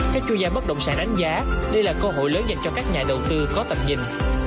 các chuyên gia bất động sản đánh giá đây là cơ hội lớn dành cho các nhà đầu tư có tầm nhìn